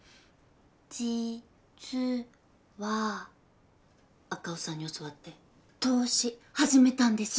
実は赤尾さんに教わって投資始めたんです。